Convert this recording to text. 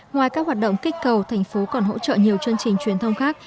ngoài các hoạt động kích cầu thành phố còn hỗ trợ nhiều chương trình truyền thông khác